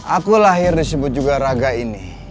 aku lahir disebut juga raga ini